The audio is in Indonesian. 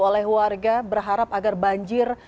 oleh warga berharap agar banjir